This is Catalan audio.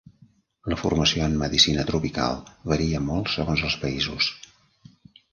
La formació en Medicina Tropical varia molt segons els països.